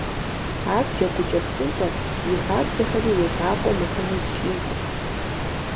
Ар джэгукӀэ псынщӏэт, и хабзэхэри уебакъуэ мыхъуну ткӀийт.